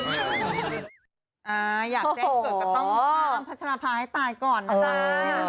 อยากแจ้งเกิดก็ต้องอ้ำพัชราภาให้ตายก่อนนะจ๊ะ